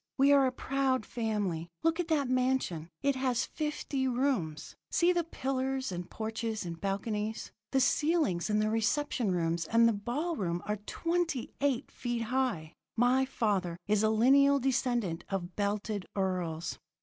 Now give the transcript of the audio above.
We are a proud family. Look at that mansion. It has fifty rooms. See the pillars and porches and balconies. The ceilings in the reception rooms and the ball room are twenty eight feet high. My father is a lineal descendant of belted earls.'